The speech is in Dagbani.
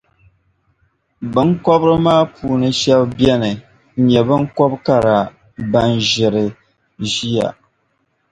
Biŋkɔbri maa puuni shεba beni n-nyɛ biŋkɔb’ kara ban ʒiri ʒiya.